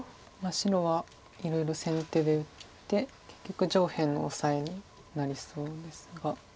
白はいろいろ先手で打って結局上辺のオサエになりそうですが。